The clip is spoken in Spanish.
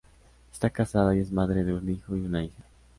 Está casada y es madre de un hijo y una hija.